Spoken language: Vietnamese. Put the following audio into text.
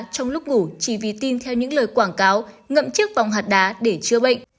trong lúc ngủ chỉ vì tin theo những lời quảng cáo ngậm trước vòng hạt đá để chữa bệnh